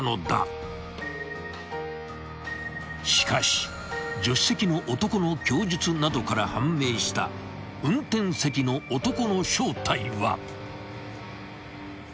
［しかし助手席の男の供述などから判明した運転席の男の正体は］